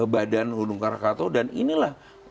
badan undung krakato dan inilah